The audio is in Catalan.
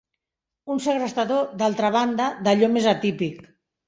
Un segrestador, d’altra banda, d’allò més atípic.